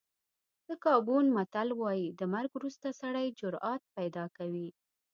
د ګابون متل وایي د مرګ وروسته سړی جرأت پیدا کوي.